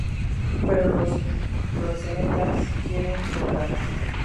Pero los proxenetas quieren recuperarla.